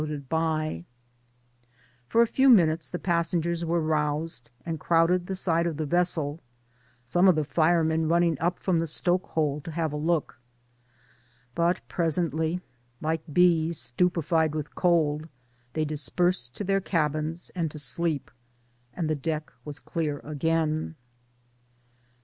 Digitized by VjOOQIC 212 TOWARDS DEMOCRACY For a few minutes the passengers were roused, and crowded the side of the vessel ŌĆö some of the firemen running up from the stoke hole to have a look. But presently like bees stupefied with cold they dispersed to their cabins and to sleep, and the deck was clear again.